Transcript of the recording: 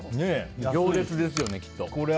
行列ですよね、きっと。